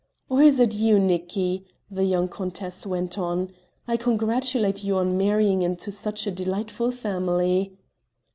"Or is it you, Nicki?" the young countess went on "I congratulate you on marrying into such a delightful family!"